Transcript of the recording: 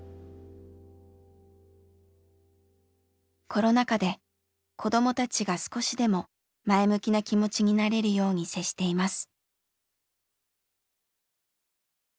コロナ禍で子どもたちが少しでも前向きな気持ちになれるように接しています。